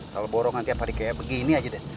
kalau borongan tiap hari kayak begini aja deh